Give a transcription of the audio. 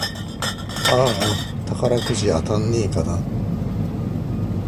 あーあ、宝くじ当たんねぇかな